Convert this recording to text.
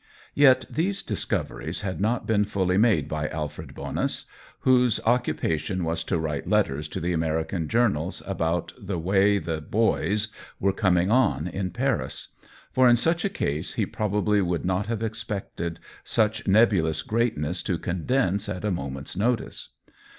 Yet these discoveries had not been fully made by Alfred Bonus, whose occupa tion was to write letters to the American journals about the way the " boys " were coming on in Paris ; for in such a case he probably would not have expected such nebulous greatness to condense at a mo ment's notice.